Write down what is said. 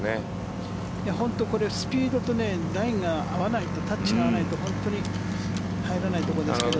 これ、スピードとラインがタッチが合わないと本当に入らないところですけど。